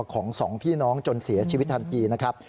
ของสองพี่น้องจนเสียชีวิตทันทีนะครับ